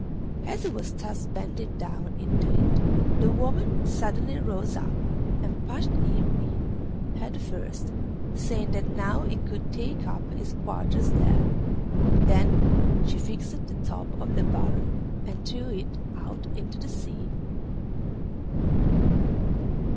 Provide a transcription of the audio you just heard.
As he was thus bending down into it the woman suddenly rose up and pushed him in head first, saying that now he could take up his quarters there. Then she fixed the top on the barrel and threw it out into the sea.